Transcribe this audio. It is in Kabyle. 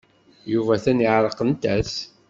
Yuba atan ɛerqent-as.